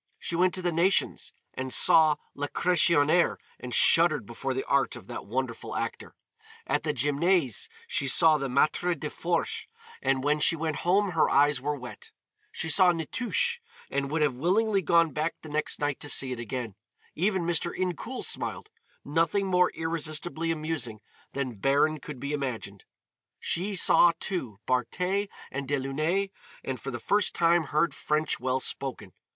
She went to the Nations and saw Lacressonière and shuddered before the art of that wonderful actor. At the Gymnase she saw the "Maître des Forges" and when she went home her eyes were wet; she saw "Nitouche" and would have willingly gone back the next night to see it again; even Mr. Incoul smiled; nothing more irresistibly amusing than Baron could be imagined; she saw, too, Bartet and Delaunay, and for the first time heard French well spoken.